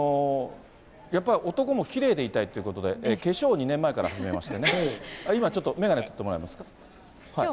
やっぱり男もきれいでいたいということで、化粧を２年前から始めましてね、今、ちょっと眼鏡取ってもらえますか？